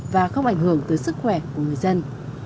và không ảnh hưởng tới sức khỏe của người dân